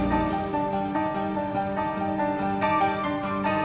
sampai jumpa di video selanjutnya